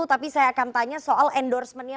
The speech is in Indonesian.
tapi saya akan tanya soal endorsementnya